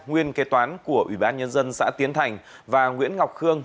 nguyên kế toán của ubnd xã tiến thành và nguyễn ngọc khương